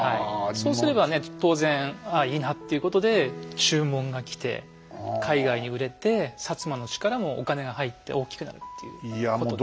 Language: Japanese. そうすればね当然ああいいなということで注文が来て海外に売れて摩の力もお金が入って大きくなるっていうことですね。